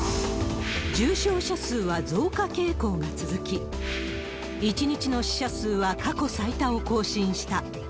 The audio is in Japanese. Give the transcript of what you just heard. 重症者数は増加傾向が続き、１日の死者数は過去最多を更新した。